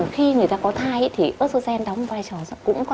khi người ta có thai thì estrogen đóng vai trò cũng quá